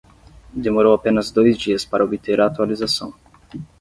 Demorou apenas dois dias para obter a atualização.